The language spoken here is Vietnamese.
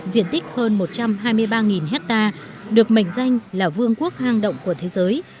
diện tích hơn một trăm hai mươi ba hectare được mệnh danh là vương quốc hang động của thế giới